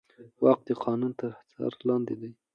واک د قانون تر څار لاندې دی.